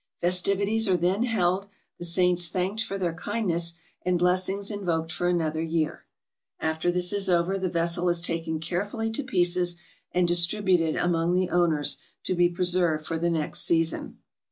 Fes tivities are then held, the saints thanked for their kindness, VOL. VI. — 27 404 TRAVELERS AND EXPLORERS and blessings invoked for another year. After this is over, the vessel is taken carefully to pieces, and distributed among the owners, to be preserved for the next season.